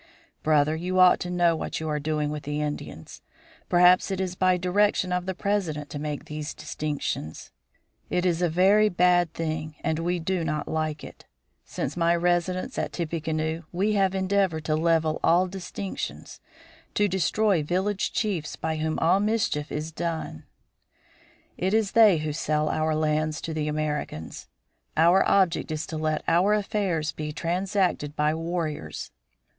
"Brother, you ought to know what you are doing with the Indians. Perhaps it is by direction of the President to make these distinctions. It is a very bad thing and we do not like it. Since my residence at Tippecanoe we have endeavored to level all distinctions to destroy village chiefs, by whom all mischief is done. It is they who sell our lands to the Americans. Our object is to let our affairs be transacted by warriors.